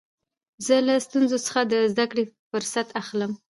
زه له ستونزو څخه د زدکړي فرصت اخلم.